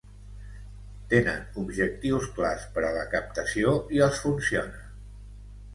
Tenen objectius clars per a la captació i els funciona.